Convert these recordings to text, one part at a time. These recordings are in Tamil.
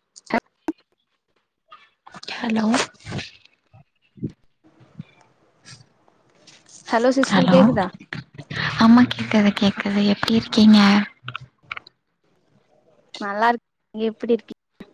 [unintelligible] ஹலோ ஹலோ சிஸ்டர் கேக்குதா ஆமா கேக்குது கேக்குது எப்டி இருக்கீங்க நல்லா இருக்கு நீங்க எப்படி இருக்கீங்க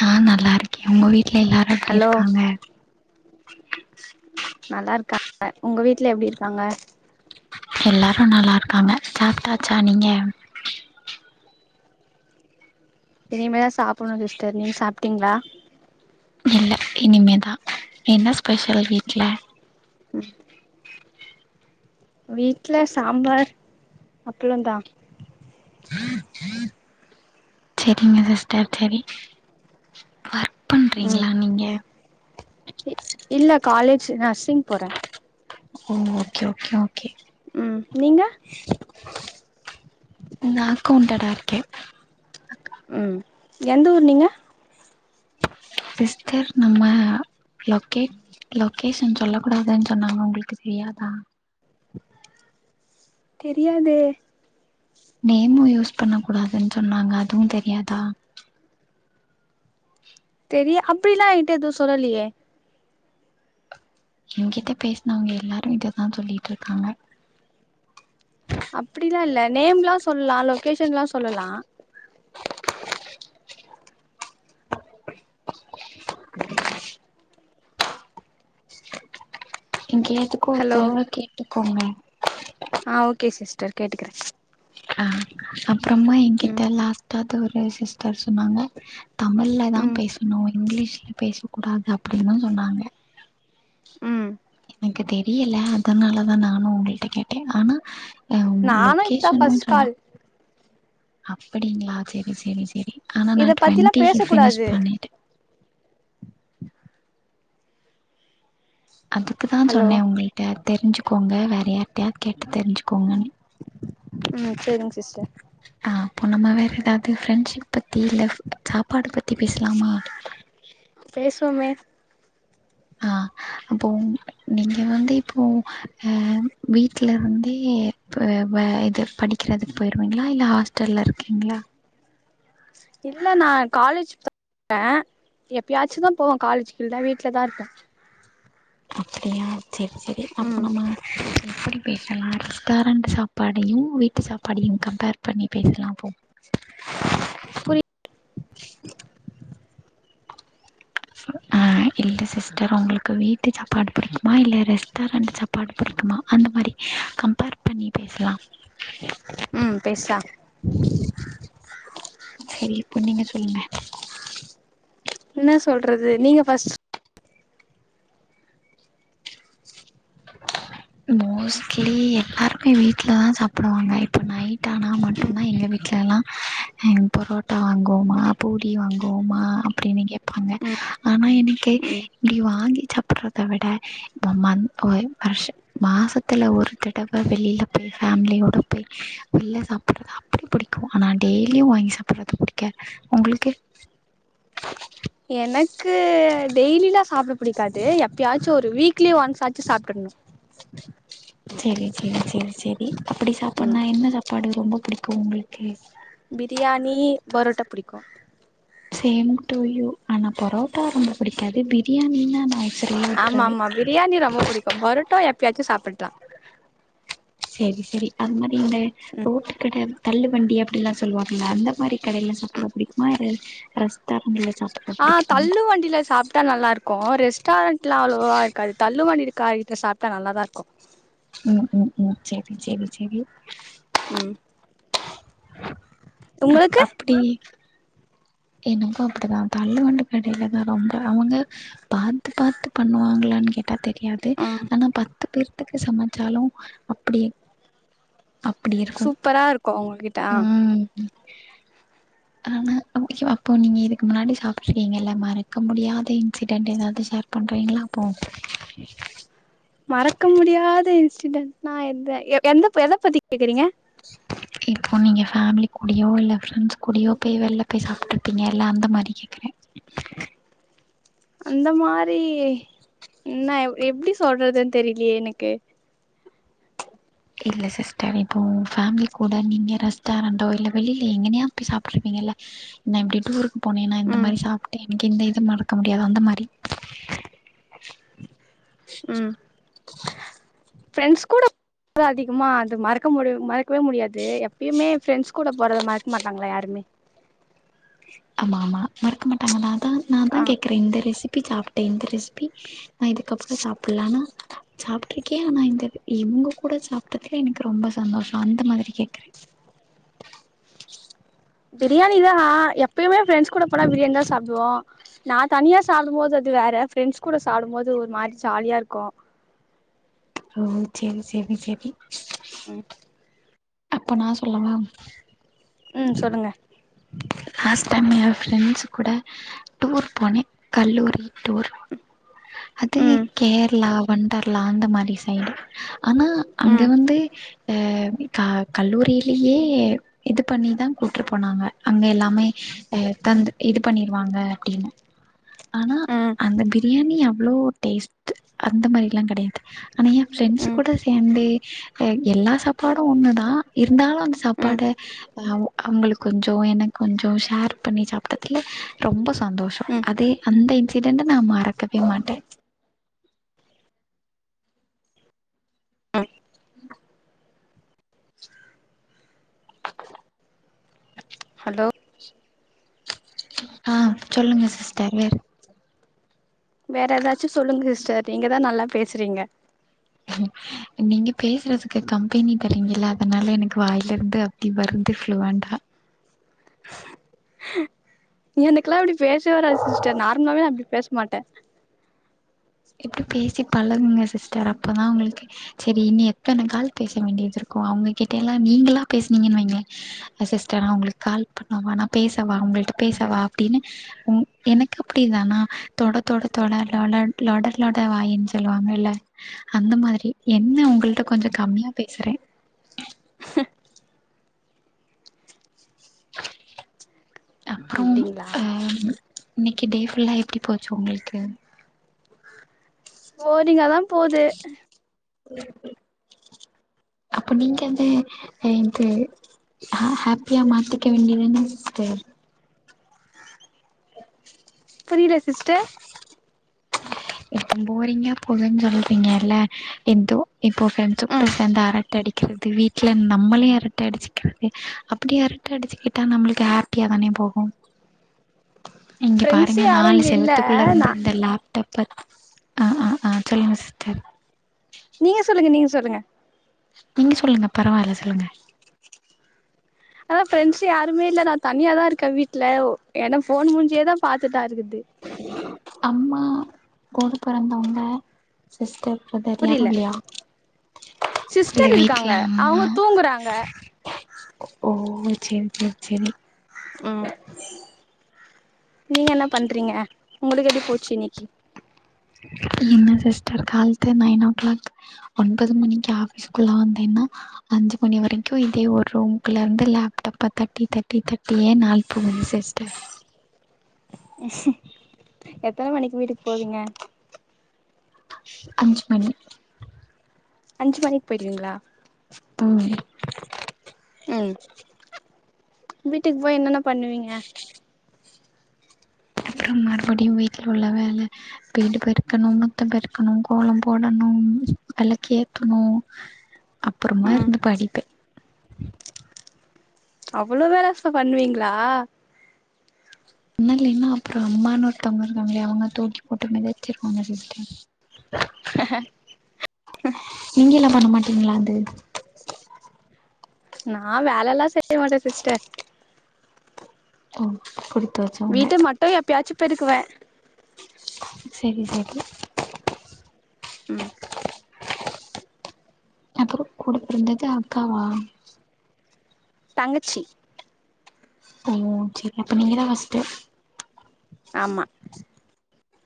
நா நல்லா இருக்கே உங்க வீட்ல எல்லாரு எப்டி ஹலோ இருக்காங்க நல்லா இருக்காங்க உங்க வீட்ல எப்டி இருக்காங்க எல்லாரு நல்லா இருக்காங்க சாப்ட்டாச்சா நீங்க இனிமேதா சாப்புண்ணு சிஸ்டர் நீங் சாப்ட்டீங்ளா இல்ல இனிமேதா என்ன ஸ்பெஷல் வீட்ல வீட்ல சாம்பார் அப்ளோ தா செரிங்க சிஸ்டர் செரி ஒர்க் ம் பண்றீங்ளா நீங்க காலேஜு நர்சிங் போறே ஓ ஓகே ஓகே ஓகே ம் நீங்க ந அக்கவுன்டரா இருக்கே ம் எந்த ஊர் நீங்க சிஸ்டர் நம்ம லொகே லொகேஷன் சொல்ல கூடாதுன் சொன்னாங்க உங்களுக்கு தெரியாதா தெரியாதே நேமு யூஸ் பண்ண கூடாதுன் சொன்னாங்க அதுவு தெரியாதா தெரிய அப்பிட்லா எ கிட்ட எதுவு சொல்லலியே எங்கிட்ட பேஸ்னவங்க எல்லாரு இததா சொல்லிட்ருக்காங்க அப்பிடிலா இல்ல நேம்லா சொல்லா லொகேஷன்ல்லா சொல்லலா உ [unintelligible] இன்கேஸ் எதுக்கு ஒரு ஹலோ தடவ கேட்டுக்கோங்க ஆ ஓகே சிஸ்டர் கேட்டுகறே அ அப்புறமா ம் எகிட்ட லாஸ்டா அப்றோ ஒரு சிஸ்டர் சொன்னாங்க தமிழ்லதா ம் பேசணு இங்கிலீஷ்ல பேச கூடாது அப்டினு சொன்னாங்க ம் எனக்கு தெரியல அதனாலதா நானு உங்கள்ட கேட்டே ஆனா நா உங்க நானு இப்பதா லொகேஷன்னு ஃபர்ஸ்ட் சொன்னோ கால் அப்டிங்ளா சேரி சேரி சேரி ஆனா நா இத பத்திலா பேச டுவெண்ட்டிகு ஃபினிஷ் கூடாது பண்ணிடே அதுக்குதா ஹலோ சொன்னே உங்குள்ட்ட தெரிஞ்சுகோங்க வரயாட்டாயா கேட்டு தெரிஞ்சுகோங்கனு ம் சேரிங் சிஸ்டர் அப்போ நம்ம வேற ஏதாது ஃப்ரெண்ஷிப் பத்தி இல்ல சாப்பாடு பத் தி பேசலாமா பேசுவமே ஆ அப்போ நீங்க வந்து இப்போ ம் வீட்லருந்தே இப்ப வெற எதா படிக்கறதுக் போய்ருவீங்ளா இல்ல ஹாஸ்டல்ல இருக்கீங்ளா இல்ல நா காலேஜ் ஆ எப்பயாச்சுதா போவே காலேஜுக் இல்லனா வீட்லதா இருப்பே அப்டியா சேரி சேரி அப்ப ம் நம்ம எப்படி பேசலா ரெஸ்டாரண்டு சாப்பாடையு வீட்டு சாப்பாடையு கம்பேர் பண்ணி பேசலா அப்போ [unintelligible] புரி அ இல்ல சிஸ்டர் உங்குளுக்கு வீட்டு சாப்பாடு புடிக்குமா இல்ல ரெஸ்டாரண்ட் சாப்பாடு புடிக்குமா அந்த மாரி கம்பேர் பண்ணி பேசலா ம் பேசலா சேரி இப்போ நீங்க சொல்லுங்க என்ன சொல்றது நீங்க ஃபஸ்ட் [unintelligible] மோஸ்ட்லி எல்லாருமே வீட்லதா சாப்புடுவாங்க இப்ப நைட் ஆனா ம் மட்டுதா எங்க வீட் வீட்லலா ம் பரோட்டா வாங்குவோமா பூரி வாங்குவோமா அப்டினு கேப்பாங்க ம் ஆனா எனக்கே ம் இப்டி வாங்கி சாப்பட்றத விட எங்க மம் ஒர் வர்ஷ் மாசத்துல ஒரு தடவ வெளில போய் ஃபமிலியோட போய் ஃப்ரீயா சா சாப்பட்றது அப்டி புடிக்கு ஆனா டெய்லியு வாங்கி சாப்பட்றது புடிக்காது உங்குளுக்கு [unintelligible] எனக்கு டெய்லிலா சாப்பட பிடிக்காது எப்பயாச்சு ஒரு வீக்லி ஒன்ஸ் ஆச்சு சாப்ட்டற்ணு செரி செரி செரி செரி அப்டி ம் சாப்பன்னா என்ன சாப்பாடு ரொம்ப புடிக்கு உங்குளுக்கு பிரியாணி பரோட்டா புடிக்கு சேம் டூ யு ஆனா பரோட்டா ரொம்ப புடிக்காது பிரியாணினா நா பயங் ஆமா ஆமா பிரியாணி ரொம்ப புடிக்கு பரோட்டோ எப்பயாச்சு சாப்பட்லா சேரி சேரி அந்த மாரி இந்த ரோட்டுகட தள்ளு வண்டி அப்டிலா சொல்லுவாங்கல்ல அந்த அந்த மாரி கடைல சாப்பட புடிக்குமா அர் ரெஸ்டார் ஆ தள்ளு வண்டில சாப்ட்டா நல்லாருக்கு ரெஸ்டாரண்ட்லா அவ்ளோவா இருக்காது தள்ளு வண்டி அக்கா வீட்ல சாப்ட்டா நல்லாதாருக்கு ம் ம் ம் செரி செரி செரி ம் உங்களுக்கு அப்பிடி எனக்கு அப்டிதா தள்ளுவண்டி கடைலதா ரொம்ப அவுங்க பாத்து பாத்து பண்ணுவாங்ளானு கேட் டா தெரியாது ம் ஆனா பத்து பேர்துக்கு சமச்சாலு அப்டி அப்டி இருக்கு துங்கிட்டா ம் ஆமா ஓ அய்யோ அப்போ நீங்க இதுக்கு முன்னாடி சாப்ட்டிருக்கீங்கல்ல மறக்க முடியாத இன்சிடென்ட் எதாவது ஷேர் பண் டிரயின்ல போம் மறக்க முடியாத இன்சிடென்ட்னா எத எ எந்த எத பத்தி கேக்குறீங்க இப்போ நீங்க ஃபேமிலி கூடயோ இல்ல ஃப்ரெண்ட்ஸ் கூடயோ போய் வெளில போய் சாப்ட்டுருப்பீங்க இல்ல அந்த மாரி கேக்குற அந்த மாரி என்ன எப்டி சொல்றதுன் தெரிலயே எனக்கு இல்ல சிஸ்டர் இப்போ ஃபேமிலி கூட நீங்க ரெஸ்டாரண்டோ இல்ல வெளில எங்கனையா போய் சாப்ட்ருகீங் இல்ல நா எப்புடி டூருக் போனே நா இந்த ம் மாரி சாப்ட்டே எனக்கு இந்த இது மறக்க முடியாது அந்த மாரி ம் ஃபிரெண்ட்ஸ் கூட அதிகமா அது மறக்க முடிய மறக்கவே முடியாது எப்பயுமே ஃப்ரெண்ட்ஸ் கூட போறத மறக்க மாட்டாங்ள யாரு வே [unintelligible] ஆமா ஆமா மறக்க மாட்டாங்க நான் தா நா அதா ஆ கேக்குற இந்த ரெசிபி சாப்ட்ட இந்த ரெசிபி நா இதுக்கப்புறோ சாப்பில்லானா சாப்ட்டுருக்கே ஆனா இந்த இவங்க கூட சாப்ட்டதுல எனக்கு ரொம்ப சந்தோஷோ அந்த மாரி கேக்குறே [inaudible] பிரியாணி தா எப்பயுமே ஃப்ரெண்ட்ஸ் கூட போனா பிரியாணி தா சாப்புடுவோ நா தனியா சாப்புடு போது து வேற ஃப்ரெண்ட்ஸ் கூட சாப்டு போது ஒரு மாரி ஜாலியாருக்கு ஓ சேரி சேரி சேரி அப்போ நா சொல்லவா ம் சொல்லுங்க லாஸ்ட் டைம் எ ஃப்ரெண்ட்ஸ் கூட டூர் போனே கல்லூரி டூர் அது ம் கேரளா வொண்டர்லா அந்த மாரி சைடு ஆனா அங்க ம் வந்து அ க கல்லூரிலியே இது பண்ணிதா கூட்டு போனாங்க அங்க எல்லா மே அ தந்து இது பண்ணிருவாங்க அப்டின்னு ஆனா ம் அந்த பிரியாணி அவ்ளோ டேஸ்ட்டு அந்த மாரிலா கெடையாது ஆனா எ ஃப்ரெண்ட்ஸ் ம் கூட சேர்ந்தே ஹே எல்லா சாப்பாடு ஒண்ணுதா இருந்தாலு அந்த ம் சாப்பாடு அவு அவங்களு கொஞ்சோ எனக்கு கொஞ்சோ ஷேர் பண்ணி சாப்ட்டதுல ரொம்ப சந்தோஷோ ம் அதே அந்த இன்சிடன்ட நா மறக்கவே மாட்ட [inaudible] டோ அ சொல்லுங்க சிஸ்டர் வே வேற எதாச்சு சொல்லுங்க சிஸ்டர் நீங்கதா நல்லா பேசுறீங்க நீங்க பேசுறதுக்கு கம்பெனி தரீங்கில்ல அதனால எனக்கு வாயில இருந்து அப்டி வருது ஃப்ளூவன்ட்டா எனக்கெல்லா அப்டி பேச வராது சிஸ்டர் நார்மலாவே நா அப்டி பேச மாட்ட இப்டி பேசி பழகுங்க சிஸ்டர் அப்பதா உங்களுக்கு சரி இன்னி எத்தனகால் பேச வேண்டியதுருக்கு அவங்க கிட்டலா நீங்களா பேசுனீங்கனு வைங்க சிஸ்டர் அவங்களுக்கு கால் பண்ணவா நா பேசவா உங்களு பேசவா அப்டின்னு உ எனக்கு அப்டிதானா தொட தொட தொடலொல லொட லொட வாயின் சொல்லுவாங்கில்ல அந்த மாரி என்ன உங்கள்ட்ட கொஞ்ச கம்மியா பேசற [inaudible] அப்புறம் அப்டிங்களா அ இன்னைக்கு டே ஃபுல்லா எப்டி போச்சு உங்களுக்கு போரிங்காதா போது ம் ம் அப்ப நீங்க வந்து எந்து அ ஹேப்பியா மாத்திக்க வேண்டியதுதா சிஸ்டர் புரியில சிஸ்டர் எப்ப போரிங்கா போதுன்னு சொல்றீங்கல்ல எந்தோ இப்போ ஃப்ரெண்ட்ஸ் கூட ம் சேந்தா அரட்ட அடி க்கிறது வீட்ல நம்மலே அரட்ட அடிச்சிக்கிறது அப்டி அரட்ட அடிச்சுக்கிட்டா நம்மளுக்கு ஹேப்பியா தானே போகும் இங்கெ ஃப்ரெண்ட்ஸ் பாருங்க யாரு நாலு இங்க இல்ல செவத்துக்குள்ள இருந்து நா இந்த லேப்டாப் அ அ அ சொல்லுங்க சிஸ்டர் நீங்க சொல்லுங்க நீங்க சொல்லுங்க நீங்க சொல்லுங்க பரவால்ல சொல்லுங்க அதா ஃப்ரெண்ட்ஸ் யாருமே இல்ல நா தனியாதா இருக்க வீட்ல ஒ ஏன்னா ஃபோன் மூஞ்சியேதா பாத்துட்டா ருக்குது அம்மா கூட பொறந்தவங்க சிஸ்டர் [unintelligible] ஆகு புரில இல்லியா இல்ல சிஸ்டர் வீட்ல இருக்காங்க அம்மா அவங்க தூங்குறாங்க ஓ ஓ சேரி சேரி சேரி ம் நீங்க என்ன பண்றீங்க உங்களுக்கு எப்டி போச்சு இன்னைக்கி என்ன சிஸ்டர் கால்த்து நைன் ஓ கிளாக் ஒன்பது மணிக்கு ஆபிஸ்க்குள்ள வந்தேன் னா அஞ்சு மணி வரைக்கு இதே ஒரு ரூம்க்குள்ள ருந்து லேப்டாப்ப தட்டி தட்டி தட்டியே நாள் போகுது சிஸ்டர் எத்தன மணிக்கு வீட்டுக்கு போவீங்க? அஞ்சு மணி அஞ்சு மணிக் போயிருவீங்ளா? ம் ம் வீட்டுக்கு போய் என்னன்ன பண்ணுவீங்க? அப்றம் மறுபடியு வீட்ல உள்ள வேல வீடு பெருக்கணு முத்தம் பெருக்கணு கோலம் போடணு ம் வெளக்கு ஏத்தணு அப்பறமா ம் இருந்து படிப்பே அவ்வளோ வேல ச பண்ணுவீங்ளா? ண்ணலைன்னா அப்பறொ அம்மான்னு ஒருத்தவங்க இருக்காங்கலே அவங்க தூக்கி போட்டு மிதுச்சிருவாங்க சிஸ்டர் ஆஹஹ நீங்கெல்லா பண்ண மாட்டீங்ளா அது நா வேலைல்லா செய்ய மாட்டே சிஸ்டர் ஓ குடி வீட்ட மட்டு எப்பயாச்சு பெருக்குவே செரி செரி ம் ஒ கூட பிறந்தது அக்காவா தங்கச்சி ஓ செரி அப்ப நீங்கதா ஃபஸ்ட் ஆமா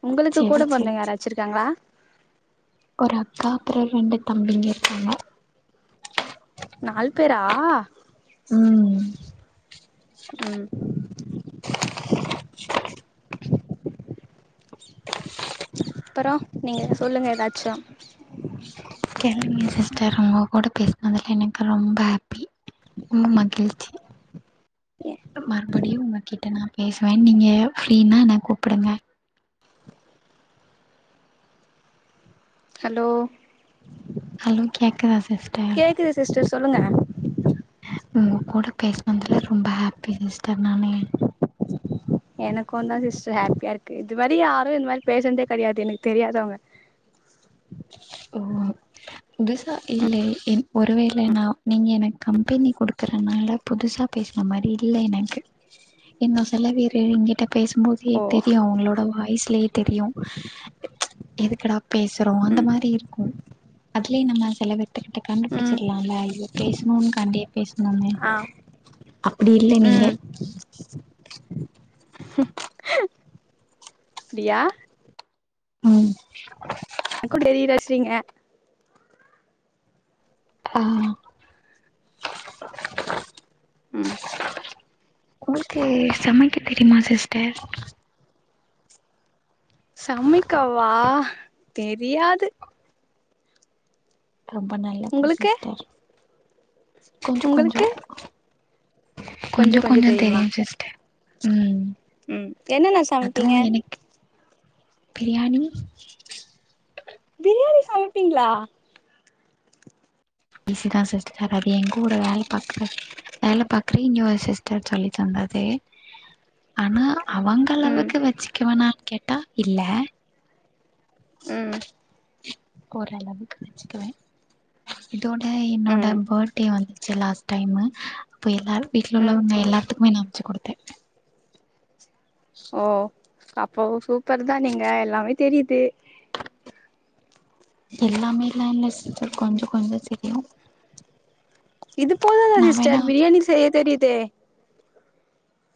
உங்களுக்கு செரி கூட செரி பொறந்தவங்க செரி யாராச்சிருக்காங்களா? ஒரு அக்கா அப்பறொ ரெண்டு தம்பிங்க இருக்காங்க. நால் பேரா ம் ம் [inaudible] அப்பறோ நீங்க சொல்லுங்க எதாச்சு கெழம்பனுல சிஸ்டர் ஒங்க கூட பேசினதுல எனக்கு ரொம்ப ஹேப் ம் மகிழ்ச்சி மறுபடியும் உங்க கிட்ட நா பேசுவே நீங்க ஃப்ரீனா என்ன கூப்புடுங்க. ஹலோ ஹலோ கேக்குதா சிஸ்டர் தொல்லுங்க உங்க கூட பேசினதுல ரொம்ப ஹாப்பி சிஸ்டர் நானு எனக்குந்தா சிஸ்டர் ஹேப்பியா இருக்கு இது மாரி யாரு இந்த மாரி பேசுனதே கெடையாது எனக்கு தெரியாதவங்க [inaudible] ஓ உங்கெஸ்ஸா இல்லே என் ஒருவேள நா நீங்க எனக் கம்பெனி குடுக்கற என்னால புதுசா பேசறமாரி இல்ல எனக்கு என்ன சொல்ல வேறே எங்கிட்டப் பேசும்போதே ஓ தெரியு அவுங்களோட வாய்லயே தெரியு எதுக்கடா பேஸ் றோ அந்த ம் மாரி இருக்கும் அதுலயே நம்ம செலபேத்துக்கிட்ட ம் கண்டுபிடிச்சிற்லால்ல இது பேசணுன் காண்டியே பேஸ் ணுமே ஆ அப்டி இல்லே நீங்க ம் அப்டியா ம் எனக்குட தெரிய வெச்டீங்க ஆ ம் உங்ளுக்கு சமைக்க தெரியுமா சிஸ்டர் சமைக்கவா தெரியாது ரொம்ப நல்லது உங்களுக்கு சிஸ்டர் கொஞ்சோ கொஞ்சோ உங்களுக்கு கொஞ்சோ கொஞ்சோ தெரியு சிஸ்டர் ம் ம் என்னன்ன அதுவு சமைப்பீங்க எனக்கு பிரியாணி பிரியாணி சமைப்பீங்ளா ஈசி தா சிஸ்டர் அது எங்கூட வேல பாக்கற வேல பாக்கற இன்னொரு சிஸ்டர் சொல்லி தந்தாங் அதே ஆனா ம் அவங்களவுக்கு வெச்சகக்கவேனா கேட்டா இல்ல ம் ஓரளவுக்கு வெச்சுக்குவே இதோட என்னோட ம் பெட்டே வந்துச்சி லாஸ்ட் டைமு அப்ப எல்லா வீட்ல ம் உள்ளவங்க எல்லாத்துக்குமே நா அம்ச்சி கொடுத்தே ஓ அப்போ சூப்பர் தா நீங்க எல்லாமே தெரிது எல்லாமேல்லால்ல சிஸ்டர் கொஞ்சோ கொஞ்சோ தெரியு இது போதாதா நா வேணா சிஸ்டர் பிரியாணி செய்ய தெரிதே